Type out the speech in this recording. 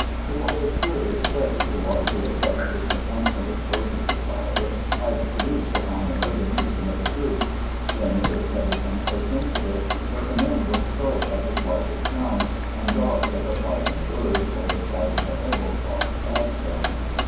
It was a curious study to watch the effect which the constant exposure to fire had produced upon the nervous system of the troops. Their nerves had become so sensitive that the men would start at the slightest sound, and dodge at the flight of a bird or the sight of a pebble tossed past them.